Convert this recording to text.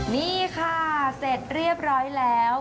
นี่ค่ะเสร็จเรียบร้อยแล้ว